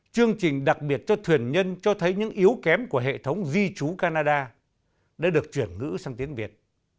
chương trình đặc biệt cho thuyền nhân cho thấy những yếu kém của hệ thống di trú canada đã được chuyển ngữ sang tiếng việt